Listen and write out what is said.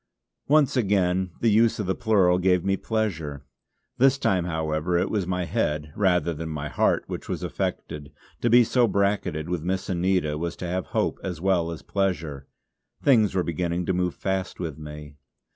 Once again the use of the plural gave me pleasure. This time, however, it was my head, rather than my heart, which was affected; to be so bracketted with Miss Anita was to have hope as well as pleasure. Things were beginning to move fast with me.